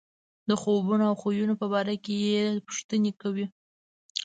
د خوبونو او خویونو باره کې یې پوښتنې کوي.